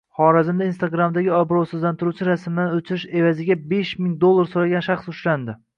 Xorazmda Instagram’dagi obro‘sizlantiruvchi rasmlarni o‘chirish evazigabeshming dollar so‘ragan shaxs ushlandi